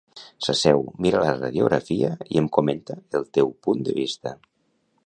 S'asseu, mira la radiografia i em comenta el teu punt de vista.